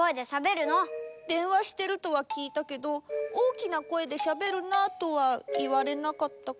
でんわしてるとはきいたけど「大きな声でしゃべるな」とはいわれなかったから。